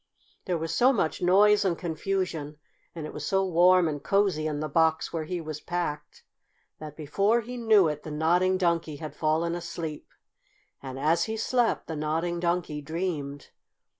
There was so much noise and confusion, and it was so warm and cosy in the box where he was packed, that, before he knew it, the Nodding Donkey had fallen asleep. And, as he slept, the Nodding Donkey dreamed.